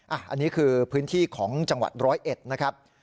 อันนี้คือพื้นที่ของจังหวัดร้อยเอ็ดนะครับ